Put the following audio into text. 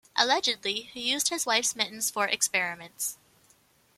Allegedly, he used his wife's mittens for experiments.